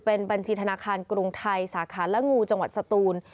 เป็นบัญชีธนาคารกรุงไทยสาขาและงูจังหวัดสตูน